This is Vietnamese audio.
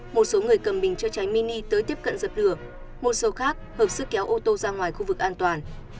một số người cầm bình chữa cháy mini tới tiếp cận dập lửa một số khác hợp sức kéo ô tô ra ngoài khu vực an toàn